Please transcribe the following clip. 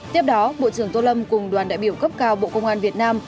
tiếp đó bộ trưởng tô lâm cùng đoàn đại biểu cấp cao bộ công an việt nam